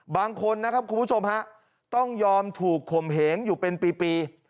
บางคนนะครับคุณผู้ชมฮะต้องยอมถูกข่มเหงอยู่เป็นปี